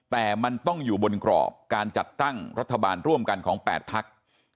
แต่มันต้องอยู่บนกรอบการจัดตั้งรัฐบาลร่วมกันของ๘พัก